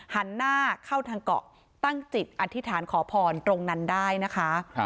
หันหน้าเข้าทางเกาะตั้งจิตอธิษฐานขอพรตรงนั้นได้นะคะ